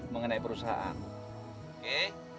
mengenai perusahaan oke